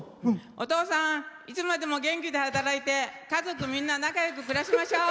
お父さん、いつまでも元気で働いて、家族みんな仲よく暮らしましょう。